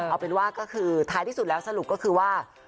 เอาเป็นว่าก็คือท้ายที่สุดแล้วสรุปก็คือว่า